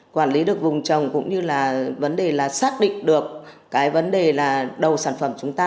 quản lý được vùng trồng cũng như là vấn đề là xác định được cái vấn đề là đầu sản phẩm chúng ta